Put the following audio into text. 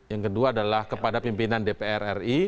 yang kedua adalah kepada pimpinan dpr ri